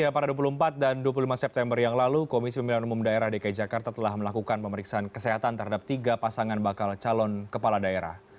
pada dua puluh empat dan dua puluh lima september yang lalu komisi pemilihan umum daerah dki jakarta telah melakukan pemeriksaan kesehatan terhadap tiga pasangan bakal calon kepala daerah